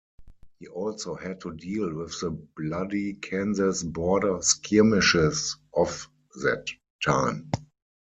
He also had to deal with the Bloody Kansas border skirmishes of that time.